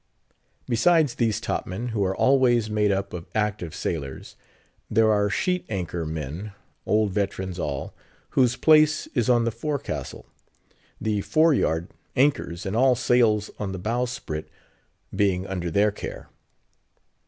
Besides these topmen, who are always made up of active sailors, there are Sheet Anchor men—old veterans all—whose place is on the forecastle; the fore yard, anchors, and all the sails on the bowsprit being under their care.